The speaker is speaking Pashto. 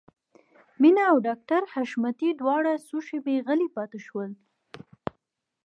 مينه او ډاکټر حشمتي دواړه څو شېبې غلي پاتې شول.